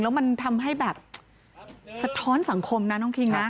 เป็นภาพที่ให้แบบสะท้อนสังคมนะน้องคิงนะ